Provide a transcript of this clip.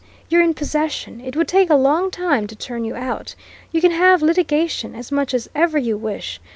You're in possession; it would take a long time to turn you out. You can have litigation as much as ever you wish.